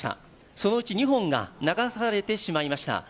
そのうち２本が流されてしまいました。